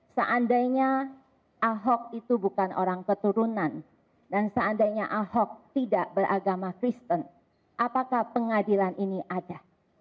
seandainya ahok itu bukan orang keturunan dan seandainya ahok tidak beragama kristen apakah pengadilan ini ada